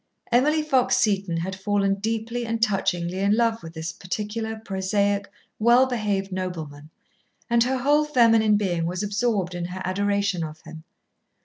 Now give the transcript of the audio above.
Emily Fox Seton had fallen deeply and touchingly in love with this particular prosaic, well behaved nobleman, and her whole feminine being was absorbed in her adoration of him.